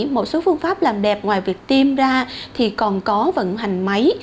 một số phương pháp làm đẹp ngoài việc tiêm ra thì còn có vận hành máy